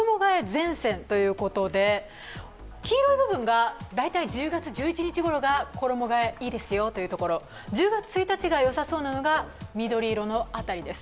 前線ということで、黄色い部分が１０月１１日ごろが衣がえ、いいですよというところ１０月１日が良さそうなところが緑色の当たりです。